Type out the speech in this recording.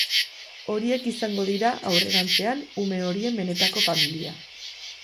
Horiek izango dira aurrerantzean ume horien benetako familia.